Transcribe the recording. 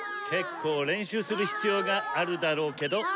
結構練習する必要があるだろうけど！